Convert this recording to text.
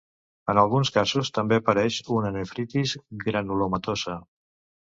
En alguns casos, també apareix una nefritis granulomatosa.